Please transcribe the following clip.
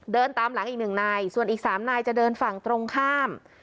เดินตามหลังอีกหนึ่งนายส่วนอีก๓นายจะเดินฝั่งตรงข้าม